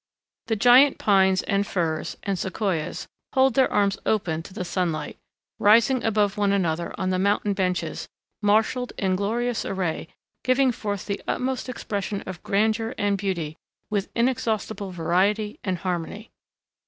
The giant pines, and firs, and Sequoias hold their arms open to the sunlight, rising above one another on the mountain benches, marshaled in glorious array, giving forth the utmost expression of grandeur and beauty with inexhaustible variety and harmony.